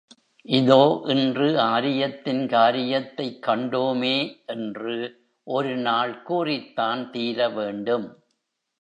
இதோ இன்று ஆரியத்தின் காரியத்தைக் கண்டோமே! என்று ஒரு நாள் கூறித்தான் தீர வேண்டும்.